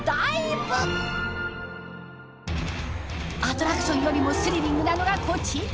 アトラクションよりもスリリングなのがこちら。